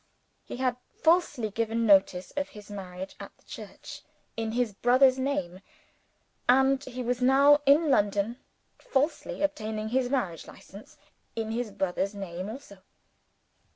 He had falsely given notice of his marriage at the church, in his brother's name; and he was now in London, falsely obtaining his Marriage License, in his brother's name also.